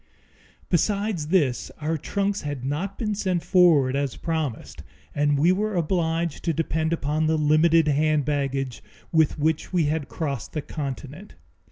Besides this, our trunks had not been sent forward as promised, and we were obliged to depend upon the limited hand baggage with which we had crossed the Continent.